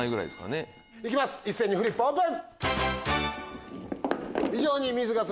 行きます一斉にフリップオープン！